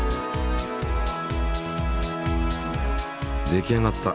出来上がった！